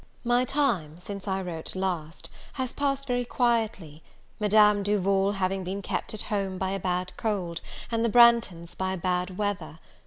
My time, since I wrote last, has passed very quietly, Madame Duval having been kept at home by a bad cold, and the Branghtons by bad weather.